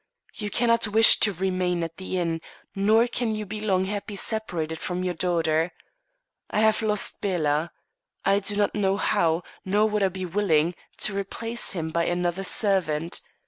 You cannot wish to remain at the inn, nor can you be long happy separated from your daughter. I have lost Bela. I do not know how, nor would I be willing, to replace him by another servant.